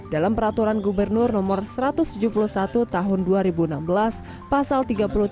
dalam peraturan gubernur no satu ratus tujuh puluh satu tahun dua ribu enam belas pasal tiga puluh tiga